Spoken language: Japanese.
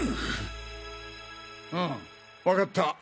うん分かった。